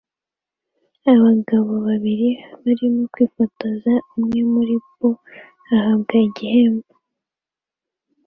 Abagabo babiri barimo kwifotoza umwe muri bo ahabwa igihembo